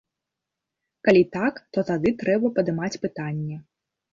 Калі так, то тады трэба падымаць пытанне.